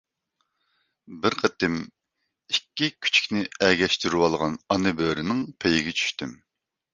بىر قېتىم ئىككى كۈچۈكنى ئەگەشتۈرۈۋالغان ئانا بۆرىنىڭ پېيىگە چۈشتۈم.